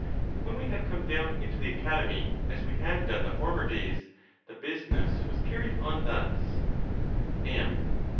When we had come down into the Academy, as we had done the former days, the business was carried on thus: M.